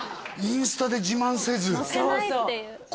インスタで自慢せず？